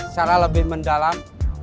secara lebih mendalam